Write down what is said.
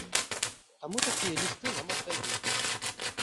Таму такія лісты нам аддаюць.